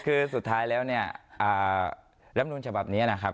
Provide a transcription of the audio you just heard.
คือสุดท้ายแล้วเนี่ยรับนูลฉบับนี้นะครับ